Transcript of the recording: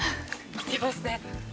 いきますね。